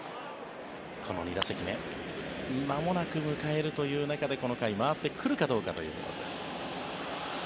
この２打席目まもなく迎えるという中でこの回、回ってくるかどうかというところです。